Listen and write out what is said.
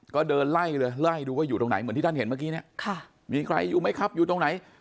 ก็เดินไล่เลยไล่ดูว่าอยู่ตรงไหนเหมือนที่ท่านเห็นเมื่อกี้เนี่ยมีใครอยู่ไหมครับอยู่ตรงไหน